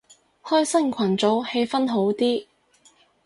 開新群組氣氛好啲